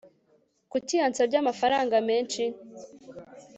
kuki yasabye amafaranga menshi